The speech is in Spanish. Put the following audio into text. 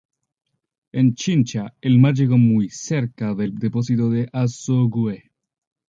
En Chincha, el mar llegó muy cerca del depósito del azogue.